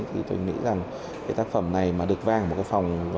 thì tôi nghĩ rằng cái tác phẩm này mà được vang vào một cái phòng